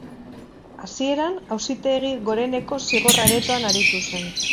Hasieran, Auzitegi Goreneko Zigor aretoan aritu zen.